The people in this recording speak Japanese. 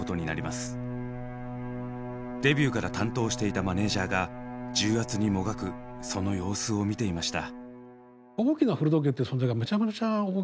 デビューから担当していたマネージャーが重圧にもがくその様子を見ていました。